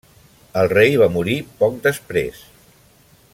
El rei va morir poc després.